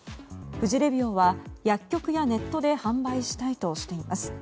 富士レビオは薬局やネットで販売したいとしています。